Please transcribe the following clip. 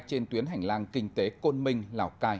trên tuyến hành lang kinh tế côn minh lào cai